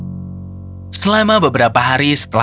saya akan mengemer tercekan mereka